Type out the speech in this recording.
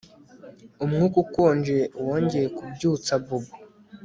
Umwuka ukonje wongeye kubyutsa Bobo